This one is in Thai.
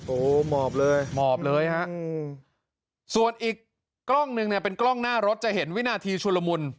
โอ้โหหมอบเลยหมอบเลยฮะส่วนอีกกล้องนึงเนี่ยเป็นกล้องหน้ารถจะเห็นวินาทีชุลมุน